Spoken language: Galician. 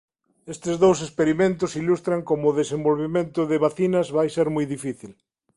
Estes dous experimentos ilustran como o desenvolvemento de vacinas vai ser moi difícil.